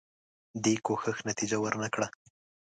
دې کوښښ نتیجه ورنه کړه.